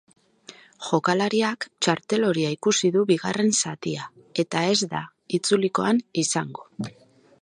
Jokalariak txartel horia ikusi du bigarren zatia, eta ez da itzulikoan izango.